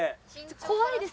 怖いです。